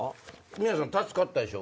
皆さん助かったでしょ